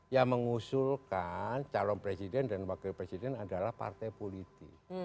yang mengusulkan calon presiden dan wakil presiden adalah partai politik